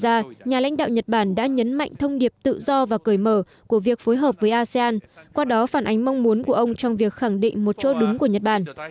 trong đó nhà lãnh đạo nhật bản đã nhấn mạnh thông điệp tự do và cởi mở của việc phối hợp với asean qua đó phản ánh mong muốn của ông trong việc khẳng định một chỗ đứng của nhật bản